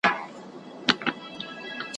چي وګړي د یوه پلار د وطن یو `